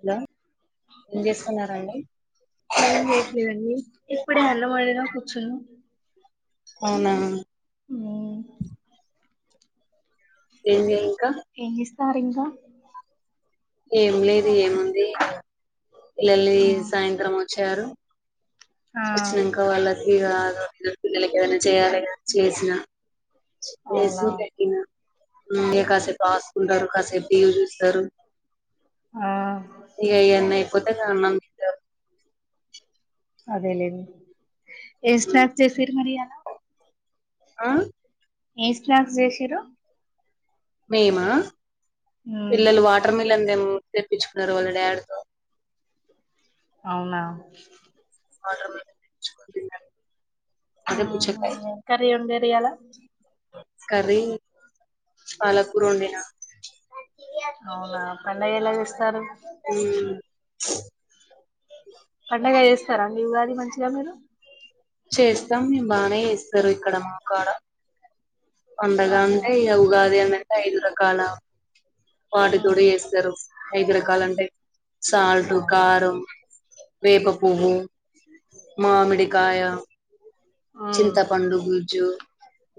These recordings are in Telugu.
హలో ఏం చేస్తున్నారండి ఏం చేయట్లేదండి. ఇప్పుడే అన్నం వండినం కూర్చున్నాం. అవునా మ్మ్ ఏమ్ చేయన్ ఏం చేస్తూ స్తారింగా ఏం లేదు ఏముంది ఇల్లాలి మ్మ్. సాయంత్రం వో చారు ఆ వచ్చినాంక వాళ్ళకి ఇగ [unintelligible] పిల్లలకు ఏమైనా చేయాలిగా చేసిన అవునా? చేసి పెట్టిన విల్లే కాసేపు రాసుకుంటరు, కాసేపు టీవీ చూసి తరు. ఆ పొద్దునే అన్నం తింటారు. అదే లేదు. ఏం స్నాక్ చేసిరు మరి ఇయాలా ఆ ఏ స్నాక్స్ చెసిరు మేమా మ్మ్ పిల్లలు వాటర్ మిలన్ దేం తెప్పించుకున్నారు వాళ్ళ డాడ్ తో అవునా వాటర్ మిలన్ తెచ్చుకుని తిన్నారు అదే పుచ్చకాయ చేయాలా కర్రీ పాలకూర వండిన అవునా పండగ ఎలా చేస్తారు ఉమ్ పండగ చేస్తారండి ఉగాది మంచిగా మీరు చేస్తాం మేము బానే వస్తారు ఇక్కడ మా కాడ పండగ ఆహా అంటే ఇక ఉగాది అంటే ఐదు రోజులు కాల మ్మ్. వాటితోటే చేస్తారు ఐదు రకాలంటే సాల్ట్ అవునా కారం వేప పువ్వు మామిడికాయ మ్మ్ చింతపండు గుజ్జు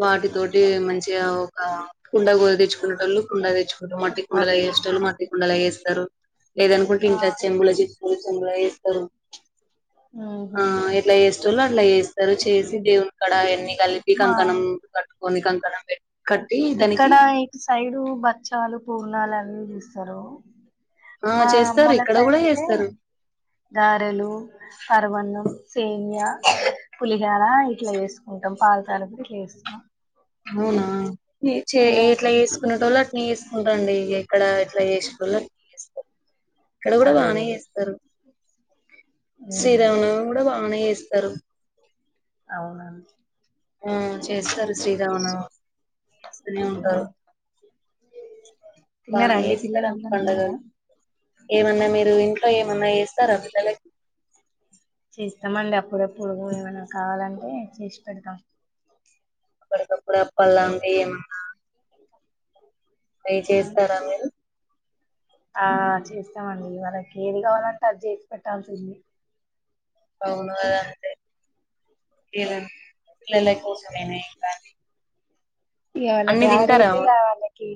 వాటితోటి మంచి [inaudible] కుండా కూడ తెచ్చుకునే టోలు కుండ తెచ్చుకుంటారు మట్టి కుండలో అదేలే చేసేటోళ్లు మట్టి కుండలో చెస్ ఎరు లేదనుకుంటే ఆ ఇంట్ల చ్చేంబుల చె రు చెంబుల చెత్తరు మ్మ్ ఆ హ్మ్ ఎట్లా చేసేటోళ్లు అట్లా చెస్ స్తారు చ్ చేసి దేవున్ ఇక్కడయన్ని కలిపి మా కంకణంకట్ కొన్ని కంకణం పెట్ కట్టి దానికి ఇక్కడ ఇట్ సైడ్ బచ్చాలు పూర్ణలన్ స్తారు ఆ మా చేస్తారు అమ్ముల ఇక్కడ సైడ్ కూడా అయితే చేస్తారు గారెలు పరవన్నం సేమ్య పులి ఇట్లా చేసుకు ఉంటాం పాల తాలపు చేస్తాం అవునా ని చె ఇగ ఎట్లా చెసుకునేటోళ్ళు అట్ నే చెసుకుంట్రాండి ఎక్కడ ఎట్లా చేసేటోళ్లు అట్నే చేస్తారు ఇక్కడ కూడా బానే అదేలే చేస్తారు శ్రీ రామనవమి కూడా బానే చెస్ టరు అవునండి ఆ చేస్తారు శ్రీరామనవ చేస్తానే ఉంటారు తిన్నారా బానే అండి చేస్తారు పిల్లలు అన్ని అందరూ తిన్నారా పండుగలు ఏమన్నా మీరు ఇంట్లో ఏమన్నా చేస్తారా పిల్లకి చేస్తామండి అప్పుడుప్పుడు ఏమైనా కావాలంటే చేసి పెడుతాం [unintelligible] ప్పుడప్పలాంటియి ఏమన్న అయి చేస్తారా మీరు ఆ చేస్తామండి వాళ్ళకి ఏది కావాలి అంటే అది చేసి పెట్టాల్సింది అవును కదా అంతే ఏదైనా పిల్లల కోసమేనయే ఇంకా ఇగ వాళ్ళ అన్ని డాడీ తింటారా అయితే ఇగ వాళ్ళకి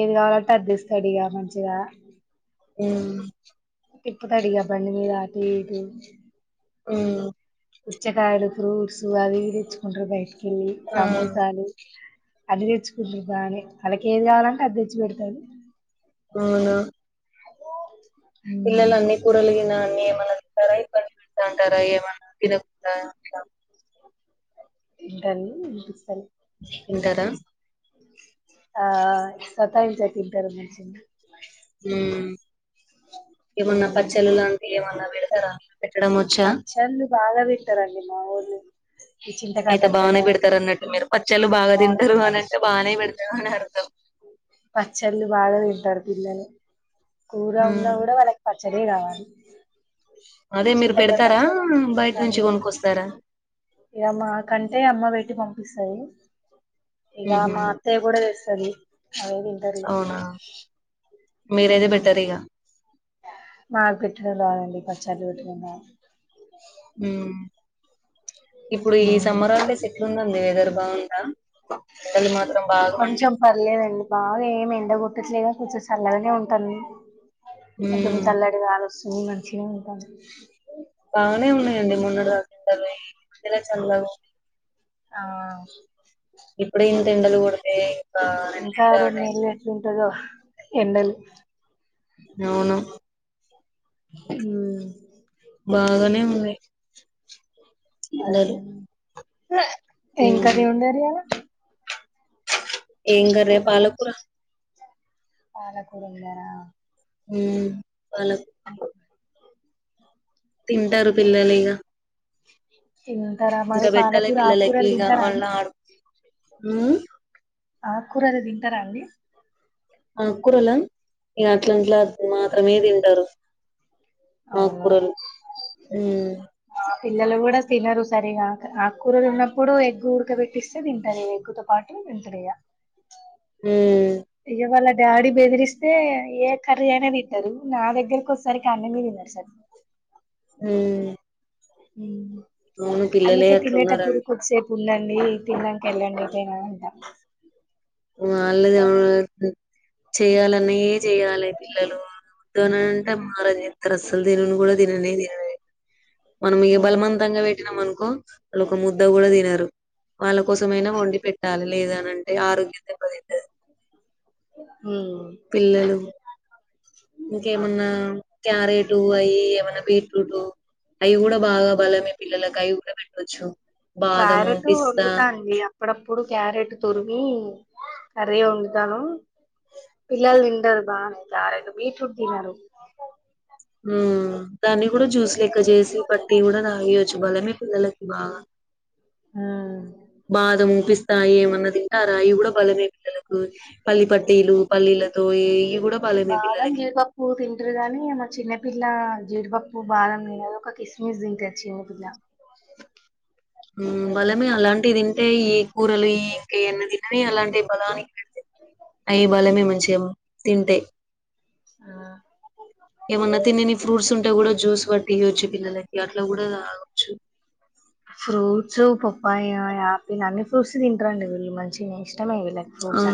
ఏది కావాలంటే అది తెస్తాడిగా మంచిగా హు తిప్పుతడిగా బండి మీద అటు ఇటు హు పుచ్చకాయలు ఫ్రూట్స్సు అవి ఇవి తేచ్చుకుంటరు బైటికి లిల్లీ సమోసాలు అన్ని తెచ్చుకుంటుండ్రు బానే వాళ్ళకిేది కావాలంటే అది తెచ్చి పెడతాడు అవునా [unintelligible] పిల్లలు అన్నీ కూరలు గిన అన్నిీ ఏమనా తింటారా ఎం ఇబ్బంది పెడతా ఉంటారా ఏమన్నా తినకుండా ఇంట్ల దాన్ని వినిపిస్తను ఉంటారా ఆ.. ఆ సతాయించే తింటారు నిన్ [unintelligible] హు ఏమన్నా ఉమ్, పచ్చళ్ళలం ఏమన్న పెడుతరా పచ్చళ్ళు బాగా వె తరండి మా ఓళ్ళు అయితే బానే పెడతారు అన్నట్టు మీరు, పచ్చళ్ళు బాగా మామిడికాయ తింటరు అని పచ్చ అంటే బానే పెడతారు అని అర్థం పచ్చళ్ళు బాగా తింటారు పిల్లలు కూర ఉన్నా ఉమ్ కూడా వాళ్ళకి పత్ చరీ కావాలి అ తే మీరు పెడతారా బయట నుంచి కొనుక్కొస్తారా ఇగ మా కంటే అమ్మ పెట్టి పం పిస్తది ఇగ ఉహు మా అత్తయ్య కూడా తెస్తది అవే తింటరు ఇగ మీరా దే బెట్టర్ ఇగ మాక్ పెెట్టడం రాదండి పచ్చాళ్ళ్ పెట్టడం రాద్ హ్మ్ ఇప్పుడు ఈ సమ్మర్ హాలిడేస్ ఎట్లు నుంది వెదర్ బాగుందా ఎండలు మాత్రం బాగా కొంచెం మండిస్తున్నాయి. పర్లేదండి బాగా ఏం ఎండగొట్టట్లేగా కొంచెం చల్లగానే ఉంటంది కొంచం హ్మ్ చల్లడి గాల్ స్ ఊ మంచిగా ఉంటాంది ఉండలే [unintelligible] ఆ ఇప్పుడే ఇంత ఎండలు కొడుతు ఏ ఇంకా రెండు నెలలు ఎట్లుంటదో ఎండలు అవును హు వే అదే న ఎమ్ హ్మ్ కర్రీ వండారు ఈ వాళ ఏంగరే పాల కూర పాలకూర వండార హ్మ్ పాల క్ అ తింటారు పిల్లొల్లు ఇగ తింటారా మరి ఇంకా పెట్టాలే పాలకూరు ఆకూరలు తింటారా అండి హు ఆకూరలు తింటారా అండి ఆకురాల ఇగ అట్లంట్లా మా [unintelligible] మే తింటారు అవునా ఆకుకూరలు హు మా పిల్లలు కూడా తినరు సరిగా ఆకుకూరలు ఉన్నప్పుడు ఎగ్గు ఉడక పేట్టిస్తే తింటారు ఎగ్గుతో పాటు తింటారు ఇగా ఉమ్ [unintelligible] వాళ్ళ డాడీ బెదిరిస్తే ఏ కర్రీ అయినా తింటారు నా దగ్గరకి వచ్చేసరికి అన్నమే తినరు సరిగ్గా హు హు అందుకే తినేటప్పుడు అట్లున్నారండి కొద్దిసేపు ఉండండి తిన్నంక వెళ్ళండి ఎటైనా అంటా [inaudible] వాళ్ళ చెయాలన్నయే చెయ్యాలి పిల్లలు వద్దు అంటే మారం అస్సలు తినను కూడా తిననే తినరు మనం ఇగ బలవంతంగా పెట్టినా అను వాళ్ళు ఒక ముద్ద కూడా తినరు వాళ్ళ కోసంమైనా వండి పెట్టాలి లేదా అని అంటే ఆరోగ్యం దెబ్బతింటది హు పిల్లలు ఇంకేమన్నా క్యారెటూ అయీ ఏమన్నా బీట్రూటు అయి కూడా బాగా బలమే పిల్లలక్ అయి [unintelligible] బాదము క్యారెటు పిస్తా వండుతాంది అప్పుడప్పుడు క్యారెట్ తురుమి కర్రీ వండుతాను పిల్లలు తింటారు బానే క్యారెట్, బీట్రూట్ తినరు. హ్మ్ దాన్ని గుడా జ్యూస్ లెక్క చేసి పట్టి గుడా తాగి బలమే పిల్లలకి బాగా బాదము, పిస్తా ఏమ ఉన్నది ఆ రాయివి కూడా బలమే పిల్లలకు పల్లి పట్టీలు పల్లీలు వేయు బాదం, జీడిపప్పు తిన్ టరు గాని మా చిన్నపిల్ల జీడిపప్పు బాదం తినది. ఒక కిస్మిస్ తింటది చిన్నపిల్ల. మ్ బలమే అలాంటియి తింటే ఈ కూరలు ఈ ఇంకా ఇయన్ని తినవి అలాంటివి బలానికి అయి బలమే మంచిగా తింటే ఆ ఏమన్న తినని ఫ్రూట్స్ ఉంటే గుడా జ్యూస్ వట్టి ఇయొచ్చు పిల్లలకి అట్ల గుడ తాగొచ్చు పైన్ ఆపిల్ అన్ని ఫ్రూట్స్ తింటరండి వీళ్ళు మంచిగనే ఆ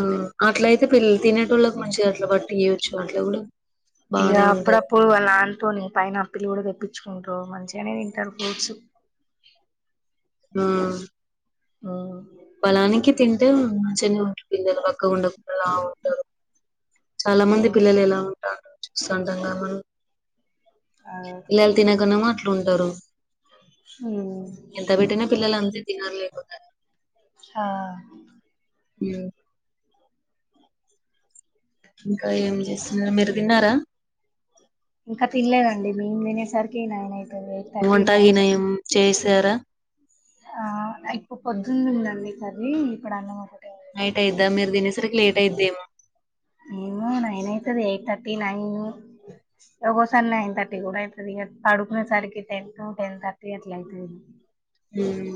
అట్లయితే పిల్ తినేటోల్లక్ మంచిగా అట్ల పట్టి ఈయచ్చు అట్ల గుడా ఇగ అప్పుడప్పుడు వాళ్ళ నాన్నతోని పైన్ ఆపిల్ గుడా తెప్పించుకుం ఆ మంచిగానే తింటారు ఫ్రూట్స్ ఆ ఆ బలానికి తింటే మంచిగనే ఉంటరు పిల్లల బక్కగా ఉండకుండ లావు ఉంటరు. చాలా ఉమ్, మంది పిల్లలు ఎలా [unintelligible] ఆ ఇయాళ తినకన్నామ్మ ఉంటరు. ఉమ్, ఎంత పెట్టినా పిల్లలు అంతే తినర్లే. అ హ ఏ ఇంకా ఏం ఉమ్. చేస్తున్నార్ మీరు తిన్నారా మిన్ తినేసరికి నైన్ అయి వంట గిన ఏం చేస్ తేరా ఆ ఇప్పుడు పొద్దున్ ఉందండి కర్రీ. ఇప్పుడన్నం ఒకటే నైట్ అయిద్దా మీరు తినేసరికి లేట్ అయిద్దేమో. మిన్మం నైన్ అయితది. ఎయిట్ థర్టీ నైను ఒక్కోసారి నైన్ థర్టీ గూడా అయితది. ఇగా పడుకునే సరికి టెన్ను టెన్ థర్టీ అట్లా అయితదేమో. ఉహ్మ్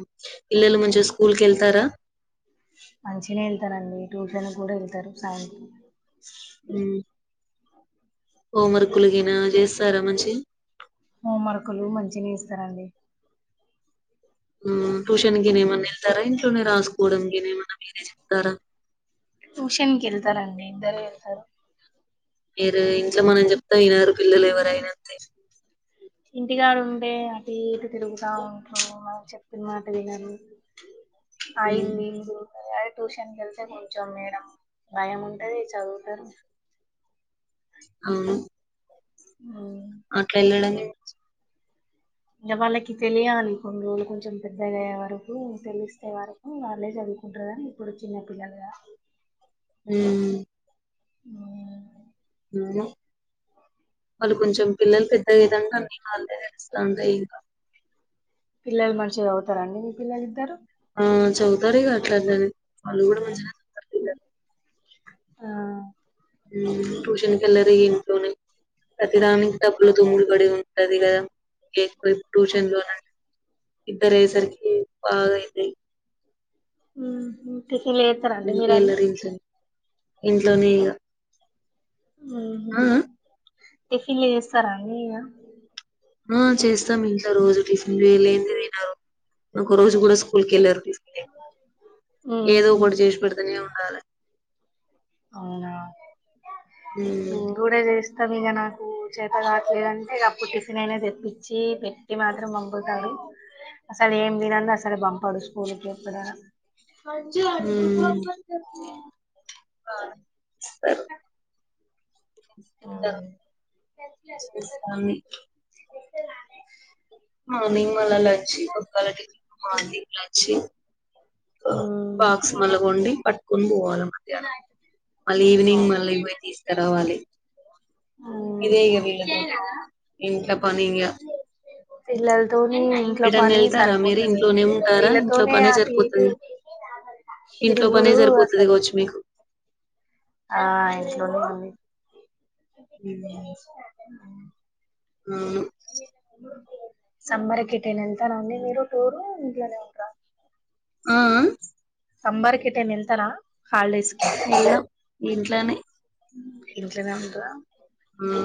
పిల్లలు మంచిగా స్కూల్ కేళ్తారా. మంచినే ఏళ్తారండి. ట్యూషన్ కూడా వెళ్తారు. సాయంత్ ఉహ్ హోంవర్కులుగినా జెస్ తారా మంచెయ్ హోం వర్కులు మంచినేస్తారంండి హ్ ట్యూషన్ గిన ఏమన్నా ఎళ్తారా ఇంట్లోనే రాస్కోడం గిన ఏమన్నా మీరే చెప్తారా ట్యూషన్కి ఎళ్తారండి ఇద్దరు ఎళ్తారు. మీరు ఇంట్లో మనం చెప్ వినరు పిల్లలు ఎవరై ఇంటిగాడుంటే. అటు ఇటు తిరుగుతా ఉంట్రూ. మనం చెప్పిన్ మాట వినాలు ఆ ఇల్ ఈ ఇల్ దు అదే ట్యూషన్ కెళ్తే కొంచెం మేడం భయం ఉంటది. చదువుతారు. అవును ఓ అట్లా ఏళ్ళడమే మా [unintelligible] ఇంగా వాళ్ళకి తెలియాలి కొన్ రోల్ కొంచెం పెద్దగాయ్యే వరకు తెలిస్తే. వారకు వాళ్ళే చదువుకుంటారని ఇప్పుడు చిన్న పిల్లల్ గాదా. ఉమ్ ఆహ్ [unintelligible] వాళ్ళు కొంచెం పిల్లలు పెద్దయ్ దాంకా మి వాళ్ళకె తెలుస్త ఉంటాయి ఇంకా. పిల్లలు మంచిగా చవుతారండి మీ పిల్లలు ఇద్దారు. ఆ చదువుతారు ఈగ అట్ల అట్లనె వాళ్లు కూడా మంచినే చద్ ఆహ్ వీళ్లు ట్యూషన్ కి వెళ్లారు ఇగ్ ఇంట్లోనే. ప్రతిదానికి డబ్బుల్ అవునా తోమ్ముడుబడి ఉం అది గాద్ ఇంక్ ఎక్కువ ట్యూషన్ లోన ఇద్దరేయ్ సరికి బాగా అయిది. ఉహ్ హు మీ ఏళ్ళుడ్ ఇంట్లనే ఇంట్లోనే ఇగ ఆహ టిఫిన్లు చేస్తారా మీర్ గా ఆ చేస్తాం ఇంట్లో రోజు టిఫిన్లేంది తినరు. ఒక రోజు గూడా స్కూల్ కెళ్ళారు. టిఫిన్ లేం ఏదో ఒకటి చేసి పెడతనే ఉం ఆ అవునా ఉమ్ ఏం కూరా చేసి ఇంక మీద నాకు చేత కావట్లేదంటే అప్పుడు టిఫిన్ అయినా తెప్పించి పెట్టి మాత్రం పంపుతాడు అసలు ఏం తినంది అసలు పంపాడు స్కూల్కి కి అట్లాగనా మంచి అడి [inaudible] ఆ సరే చేసుకుంటాం చూస్తామి [inaudible] మార్నింగ్ మళ్ళ లేచి [unintelligible] టి మార్నింగ్ లేచి ఉమ్ బాక్స్ మల్ల వండి పట్. కొన్ది వా మధ్యానం మళ్ళీ ఈవినింగ్ అవును మళ్ళీ పోయి తీసుకురావాలి. ఇదే ఇగ్ వీళ్ళతోటి ఇంట్లా. పని ఇగ పిల్లల్ తొని ఇంట్లో ఎటన్నా పని వెళ్తారా మీరు సరిపోతది ఇంట్లోనే ఉంటారా ఇంట్లో వీళ్ళతోనె పనే అటు ఇటు సరిపోతది ఇంట్లో పనే తిరుగుడు సరిపోతది అసలు. కావచ్చు మీకు ఆ ఇంట్లోనే ఉండి విమ్ ఆ సమ్మర్ కి ఎటైనా వెళ్తారా అండి మీరు టూరు ఇంట్లోనే ఉంటరా ఆ సమ్మర్ కి ఎటైనా వెళ్తారా హాలిడేస్ కి ఇలా ఇంట్లోనే ఇంట్లోనే ఉంట్రా ఆ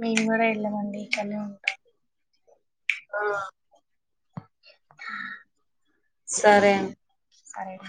మేము కూడా వెళ్ళమండి ఇక్కనే ఉంటాం ఆ సరేం సరే